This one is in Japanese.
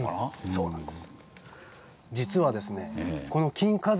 そうなんです。